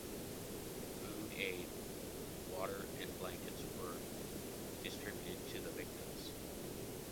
Food aid, water and blankets were distributed to the victims.